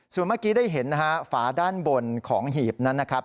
ส่วนเมื่อกี้ได้เห็นฝาด้านบนของหีบนั้น